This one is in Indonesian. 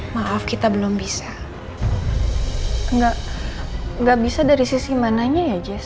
maaf kita belum bisa nggak bisa dari sisi mananya ya jasa